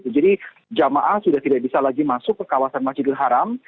jadi jamaah sudah tidak bisa lagi masuk ke kawasan masjidil haram